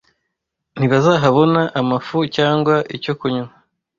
Ntibazahabona amafu cyangwa (icyo) kunywa